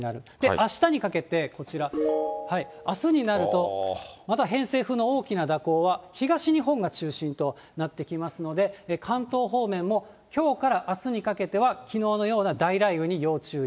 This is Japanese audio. あしたにかけて、こちら、あすになると、また偏西風の大きな蛇行は東日本が中心となってきますので、関東方面もきょうからあすにかけては、きのうのような大雷雨に要注意。